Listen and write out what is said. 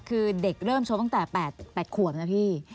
คือเด็กเริ่มชกตั้งแต่๘ขวบนะพี่